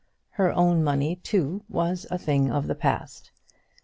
Her own money, too, was a thing of the past.